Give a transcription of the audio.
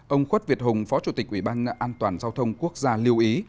ông khuất việt hùng phó chủ tịch ủy ban an toàn giao thông quốc gia lưu ý